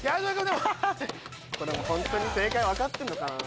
これも本当に正解分かってんのかな？